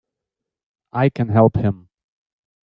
I can help him!